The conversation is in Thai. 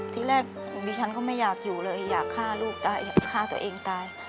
ที่แรกของดิฉันก็ไม่อยากอยู่เลยอยากฆ่าลูกตายอยากฆ่าตัวเองตาย